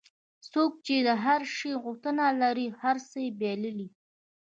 څوک چې د هر شي غوښتنه لري هر څه بایلي.